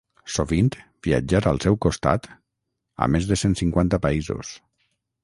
Sovint, viatjar al seu costat, a més de cent cinquanta països.